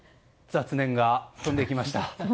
雑念が飛んでいきました。